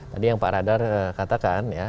tadi yang pak radar katakan ya